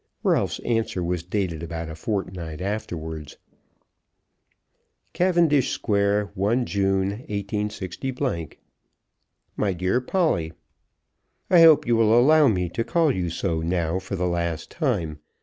Ralph's answer was dated about a fortnight afterwards; , Cavendish Square, 1 June, 186 . MY DEAR POLLY, I hope you will allow me to call you so now for the last time.